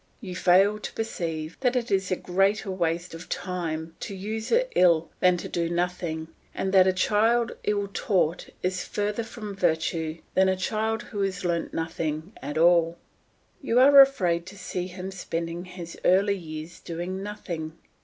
You fail to perceive that it is a greater waste of time to use it ill than to do nothing, and that a child ill taught is further from virtue than a child who has learnt nothing at all. You are afraid to see him spending his early years doing nothing.